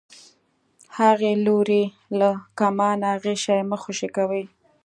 هغې لورې له کمانه غشی مه خوشی کوئ.